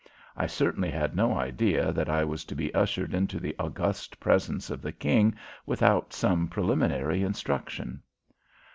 I certainly had no idea that I was to be ushered into the august presence of the King without some preliminary instruction.